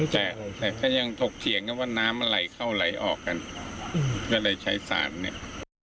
เพื่อจะดูทิศทางการไหลของกระแสน้ำใกล้เคียงกับเวลาที่เกิดเหตุ